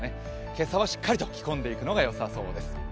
今朝はしっかりと着込んでいくのがよさそうです。